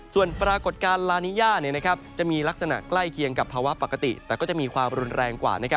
ส่วนปรากฏการณ์ลานิยาจะมีลักษณะใกล้เคียงกับภาวะปกติแต่ก็จะมีความรุนแรงกว่า